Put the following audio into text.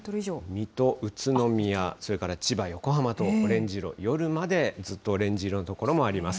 水戸、宇都宮、それから千葉、横浜とオレンジ色、夜までずっとオレンジ色の所もあります。